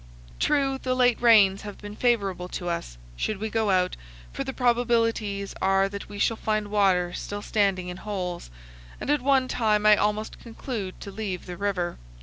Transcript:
True, the late rains have been favorable to us, should we go out, for the probabilities are that we shall find water still standing in holes; and at one time I almost conclude to leave the river.